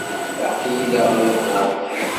Aql-i d aɣrib ɣur-k.